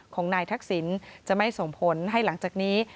ของนายทักษิณจะไม่ส่งผลให้หลังจากนี้